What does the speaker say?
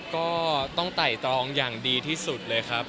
ก็ต้องไต่ตรองอย่างดีที่สุดเลยครับ